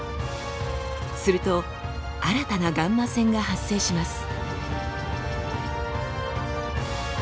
すると新たなガンマ線が発生します。